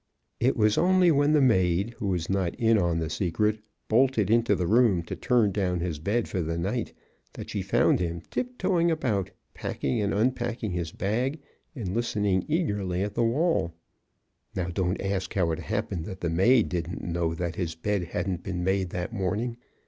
It was only when the maid, who was not in on the secret, bolted into the room to turn down his bed for the night, that she found him tip toeing about, packing and unpacking his bag and listening eagerly at the wall. (Now don't ask how it happened that the maid didn't know that his bed hadn't been made that morning.